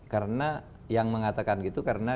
karena yang mengatakan gitu karena